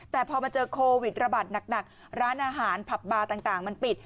แต่พอมาเจอโควิดระบาดหนักร้านอาหารผับบาร์ต่างมันปิด